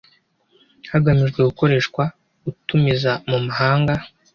hagamijwe gukoreshwa utumiza mu mahanga